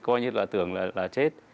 coi như là tưởng là chết